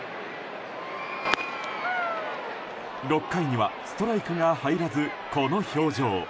６回には、ストライクが入らずこの表情。